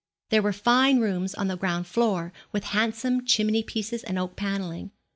There were fine rooms on the ground floor, with handsome chimney pieces and oak panelling.